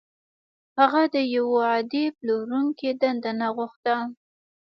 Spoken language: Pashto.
هغه د يوه عادي پلورونکي دنده نه غوښته.